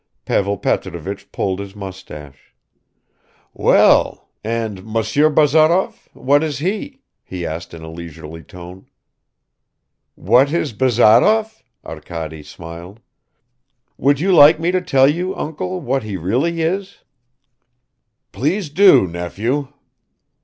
Pavel Petrovich pulled his mustache. "Well, and Monsieur Bazarov, what is he?" he asked in a leisurely tone. "What is Bazarov?" Arkady smiled. "Would you like me to tell you, uncle, what he really is?" "Please do, nephew."